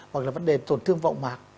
hoặc là vấn đề tổn thương vọng mạc